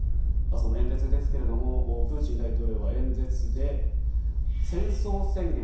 そんな演説ですがプーチン大統領は演説で戦争宣言